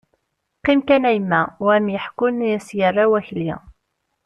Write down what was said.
- Qqim kan a yemma, wa ad am-yeḥkun! I as-yerra Wakli.